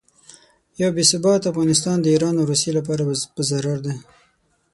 یو بې ثباته افغانستان د ایران او روسیې لپاره په ضرر دی.